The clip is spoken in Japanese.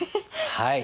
はい。